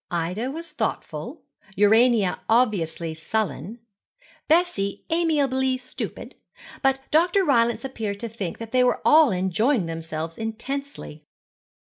Ida was thoughtful, Urania obviously sullen, Bessie amiably stupid; but Dr. Rylance appeared to think that they were all enjoying themselves intensely.